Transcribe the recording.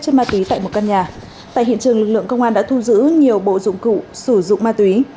chất ma túy tại một căn nhà tại hiện trường lực lượng công an đã thu giữ nhiều bộ dụng cụ sử dụng ma túy